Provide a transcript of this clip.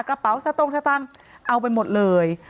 กระเป๋าซะตรงซะตั้งเอาไปหมดเลย